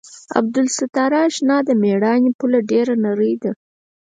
عبدالستاره اشنا د مېړانې پوله ډېره نرۍ ده.